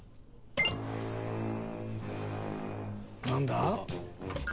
何だ？